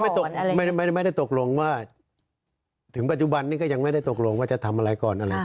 ไม่ได้ไม่ได้ตกลงว่าถึงปัจจุบันนี้ก็ยังไม่ได้ตกลงว่าจะทำอะไรก่อนอะไร